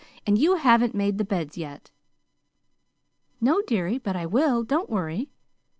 "And you haven't made the beds yet." "No, dearie, but I will. Don't worry."